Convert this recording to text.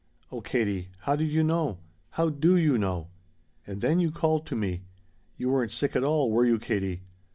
Oh Katie how did you know? How do you know? "And then you called to me. You weren't sick at all were you, Katie?